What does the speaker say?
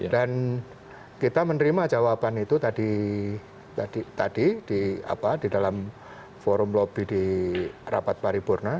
kita menerima jawaban itu tadi di dalam forum lobby di rapat paripurna